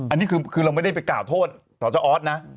อันนี้คือเราไม่ได้ไปกล่าวโทษสจออสนะ